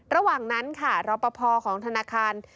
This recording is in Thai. ระหว่างนั้นค่ะรอปภของธนาคาร